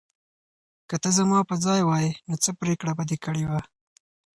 که ته زما په ځای وای، نو څه پرېکړه به دې کړې وه؟